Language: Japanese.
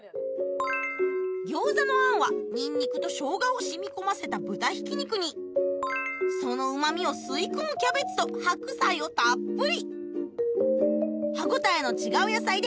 餃子の餡はニンニクと生姜を染み込ませた豚ひき肉にそのうま味を吸い込むキャベツと白菜をたっぷり！